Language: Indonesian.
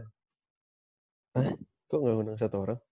hah kok gak ngundang satu orang